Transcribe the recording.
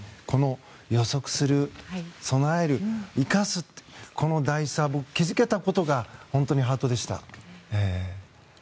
予測する、備える、生かすってこの大事さを気づけたことが本当にハートでした。